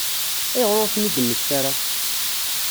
Ayɣer ur ten-id-temmekta ara?